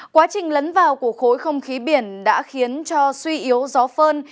quá trình lấn vào của khối không khí biển đã khiến cho suy yếu gió phơn